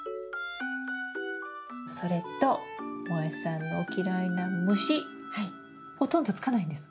それともえさんの嫌いな虫ほとんどつかないんです。